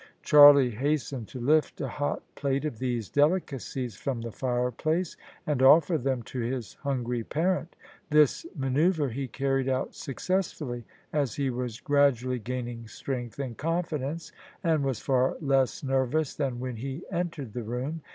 Charlie hastened to lift a hot plate of these delicacies from the fire place, and offer them to his hungry parent. This manoeuvre he carried out successfully, as he was gradu ally gaining strength and confidence, and was far less ner vous than when he entered the room.